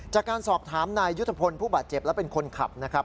จากการสอบถามนายยุทธพลผู้บาดเจ็บและเป็นคนขับนะครับ